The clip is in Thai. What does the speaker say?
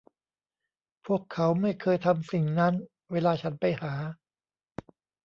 พวกเขาไม่เคยทำสิ่งนั้นเวลาฉันไปหา